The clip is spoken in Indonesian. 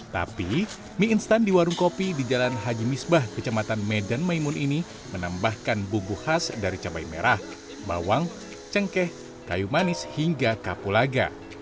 tapi mie instan di warung kopi di jalan haji misbah kecamatan medan maimun ini menambahkan bumbu khas dari cabai merah bawang cengkeh kayu manis hingga kapulaga